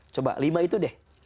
coba lima itu deh